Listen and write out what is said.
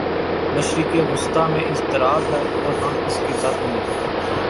مشرق وسطی میں اضطراب ہے اور ہم اس کی زد میں ہیں۔